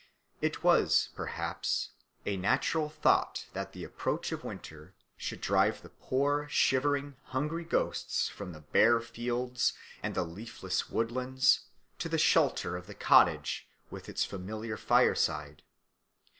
It was, perhaps, a natural thought that the approach of winter should drive the poor shivering hungry ghosts from the bare fields and the leafless woodlands to the shelter of the cottage with its familiar fireside.